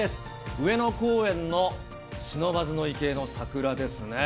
上野公園の不忍池の桜ですね。